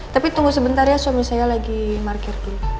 tapi tunggu sebentar ya suami saya lagi parkir dulu